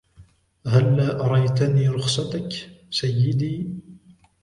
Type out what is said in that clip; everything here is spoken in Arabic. هلا أريتني رخصتك ، سيدي ؟